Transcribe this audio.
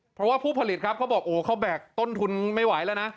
เพราะว่าผู้ผลิตครับเขาบอกโอ้เขาแบกต้นทุนไม่ไหวแล้วนะ